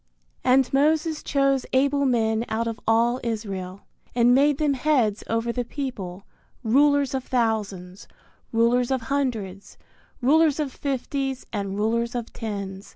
And Moses chose able men out of all Israel, and made them heads over the people, rulers of thousands, rulers of hundreds, rulers of fifties, and rulers of tens.